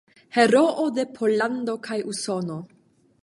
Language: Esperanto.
Heroo de Pollando kaj Usono.